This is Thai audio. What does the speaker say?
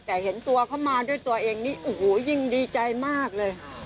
แต่เห็นตัวเขามาด้วยตัวเองนี่โอ้โหยิ่งดีใจมากเลย